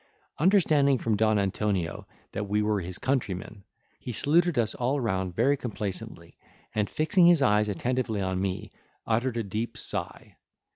Understanding from Don Antonio that we were his countrymen, he saluted us all round very complacently, and fixing his eyes attentively on me, uttered a deep sigh.